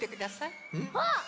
あっ！